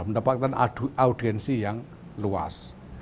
mendapatkan audiensi yang luas